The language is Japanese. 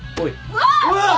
うわっ！